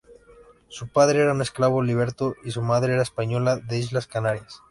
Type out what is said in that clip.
Su padre era un esclavo liberto y su madre era española de Islas Canarias.